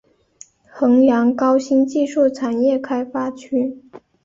衡阳高新技术产业开发区